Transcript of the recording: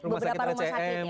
rumah sakit rcm